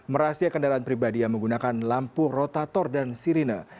merahasia kendaraan pribadi yang menggunakan lampu rotator dan sirine